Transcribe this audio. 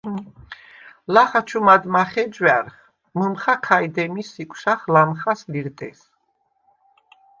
ლახა ჩუ მადმა ხეჯვა̈რხ, მჷმხა ქაჲ დემის იკვშახ ლამხას ლირდეს.